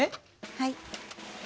はい。